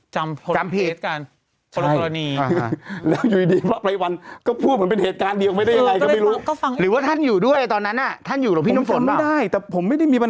จำจำผิดปฏิเสธการปฏิกรณีใช่อ่าฮะแล้วอยู่ดีดีพระไพรวัล